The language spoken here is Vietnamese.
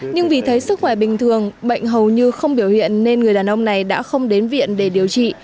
nhưng vì thấy sức khỏe bình thường bệnh hầu như không biểu hiện nên người đàn ông này đã không đến viện để điều trị